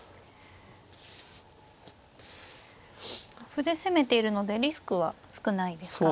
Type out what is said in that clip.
歩で攻めているのでリスクは少ないですか。